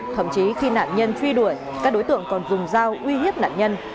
thậm chí khi nạn nhân truy đuổi các đối tượng còn dùng dao uy hiếp nạn nhân